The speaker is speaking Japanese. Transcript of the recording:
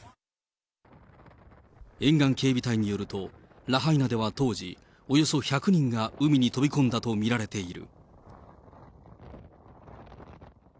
沿岸警備隊によると、ラハイナでは当時、およそ１００人が海に飛び込んだと見られている。